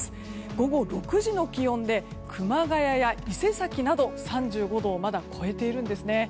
午後６時の気温で熊谷や伊勢崎など、３５度をまだ超えているんですね。